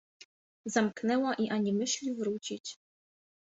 Zamknęła i ani myśli wrócić.